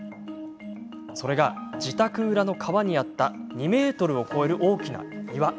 それが自宅裏の川にあった２ｍを超える大きな岩。